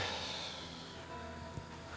aku sudah tahu